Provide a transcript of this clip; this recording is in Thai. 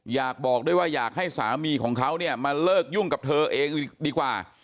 อยากบอกด้วยว่าอยากให้สามีของเขาเนี่ยมาเลิกยุ่งกับเธอเองดีกว่า